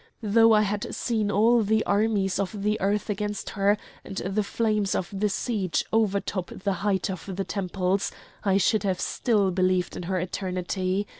Though I had seen all the armies of the earth against her, and the flames of the siege overtop the height of the temples, I should have still believed in her eternity!